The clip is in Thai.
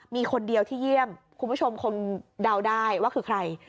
มีคนเดียวที่เยี่ยมคุณผู้ชมคงเดาได้ว่าคือใคร